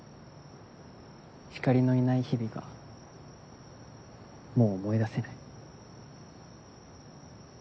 ひかりのいない日々がもう思い出せない。